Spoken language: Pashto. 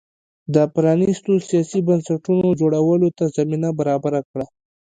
د پرانیستو سیاسي بنسټونو جوړولو ته زمینه برابره کړه.